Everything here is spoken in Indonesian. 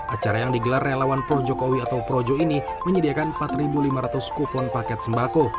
acara yang digelarnya lawan projokowi atau projo ini menyediakan empat lima ratus kupon paket sembako